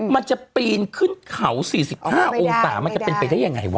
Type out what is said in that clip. มันจะปีนขึ้นเขา๔๕องศามันจะเป็นไปได้ยังไงวะ